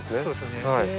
そうですよね。